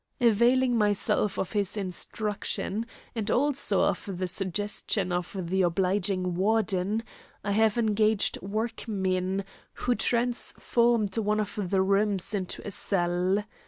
Availing myself of his instruction, and also of the suggestions of the obliging Warden, I have engaged workmen who transformed one of the rooms into a cell.